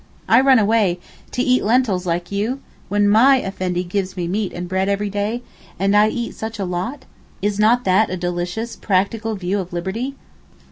'I run away, to eat lentils like you? when my Effendi gives me meat and bread every day, and I eat such a lot.' Is not that a delicious practical view of liberty?